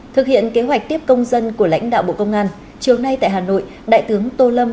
thực hiện kế hoạch tiếp công dân của lãnh đạo bộ công an chiều nay tại hà nội đại tướng tô lâm